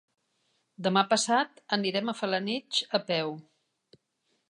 Demà passat anirem a Felanitx a peu.